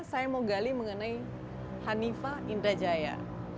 saya mau gali mengenai hanifa indrajaya